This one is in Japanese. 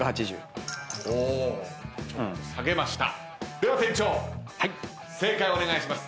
では店長正解お願いします。